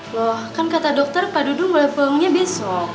loh kan kata dokter pak dudung mulai pulangnya besok